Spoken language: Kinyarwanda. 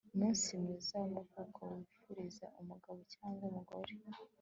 umunsi mwiza w'amavuko wifuriza umugabo cyangwa umugore